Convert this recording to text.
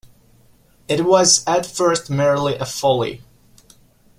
It was, at first, merely a folly.